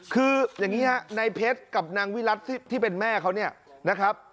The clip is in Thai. คืออย่างนี้ฮะในเพชรกับนางวิรัติที่เป็นแม่เขาเนี่ยนะครับ